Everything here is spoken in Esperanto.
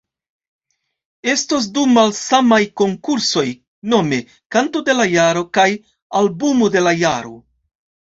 Estos du malsamaj konkursoj, nome Kanto de la Jaro kaj Albumo de la Jaro.